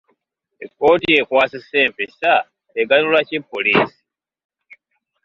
Ekkooti ekwasisa empisa eganyula ki poliisi?